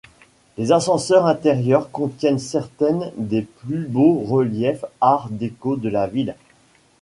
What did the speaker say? Les ascenseurs intérieurs contiennent certaines des plus beaux reliefs art déco de la ville.